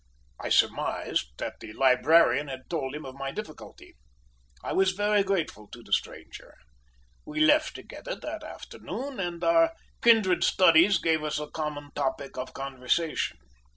I surmised that the librarian had told him of my difficulty. I was very grateful to the stranger. We left together that afternoon, and our kindred studies gave us a common topic of conversation.